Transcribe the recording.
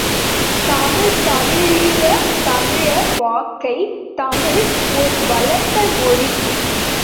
தமிழ் தழீஇய தமிழர் வாக்கை தமிழ், ஒரு வளர்ந்த மொழி.